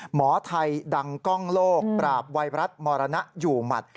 หมอไทยดังกล้องโลกปราบไวรัสมรณอยู่หมัด